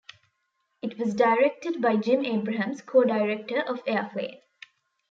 It was directed by Jim Abrahams, co-director of Airplane!